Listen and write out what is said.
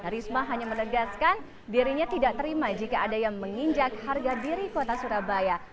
risma hanya menegaskan dirinya tidak terima jika ada yang menginjak harga diri kota surabaya